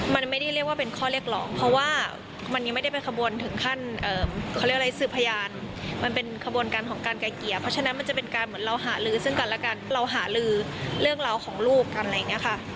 มันไม่ได้เรียกว่าเป็นข้อเรียกร้องเพราะว่ามันยังไม่ได้ไปขบวนถึงขั้นเขาเรียกอะไรสื่อพยานมันเป็นขบวนการของการไกลเกลี่ยเพราะฉะนั้นมันจะเป็นการเหมือนเราหาลือซึ่งกันและกันเราหาลือเรื่องราวของลูกกันอะไรอย่างนี้ค่ะ